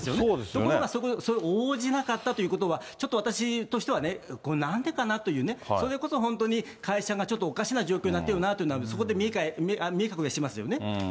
ところがそれに応じなかったということは、私としてはこれ、なんでかなということで、それこそ本当に会社がおかしな状況になってるなって、そこで見え隠れしてますよね。